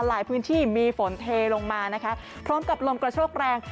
หลายพื้นที่มีฝนเทลงมานะคะพร้อมกับลมกระโชกแรง